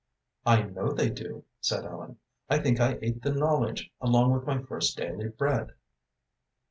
"I know they do," said Ellen. "I think I ate the knowledge along with my first daily bread."